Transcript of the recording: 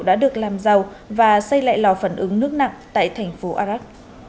đã được làm dầu và xây lại lò phản ứng nước nặng tại thành phố iraq